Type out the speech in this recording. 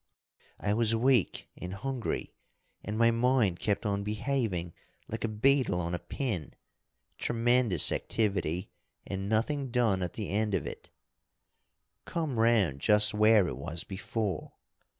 "I was weak and hungry, and my mind kept on behaving like a beetle on a pin, tremendous activity and nothing done at the end of it. Come round just where it was before.